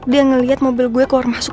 dia ngeliat mobil gue keluar masuk